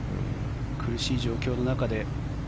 苦しい状況の中で。